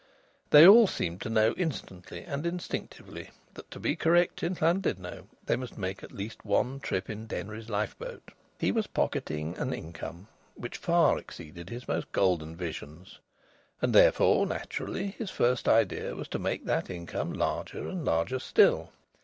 They all seemed to know instantly and instinctively that to be correct in Llandudno they must make at least one trip in Denry's lifeboat. He was pocketing an income which far exceeded his most golden visions. And therefore naturally his first idea was to make that income larger and larger still.